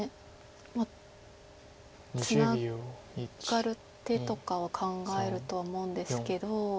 まあツナがる手とかは考えるとは思うんですけど。